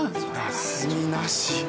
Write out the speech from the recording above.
休みなし。